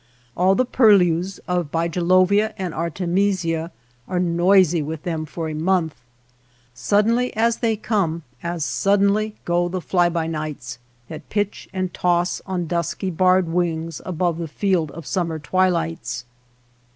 All the purlieus of bigelovia and artemisia are noisy with them for a month. Suddenly as they come as suddenly go the fly by nights, that pitch 137 MY NEIGHBORS FIELD and toss on dusky barred wings above the field of summer twilights.